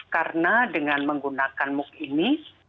karena dengan menggunakan mooc ini